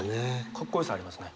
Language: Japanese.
かっこよさありますね。